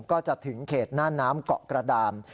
ก็จะถึงเขตหน้าน้ำเกาะกระดาน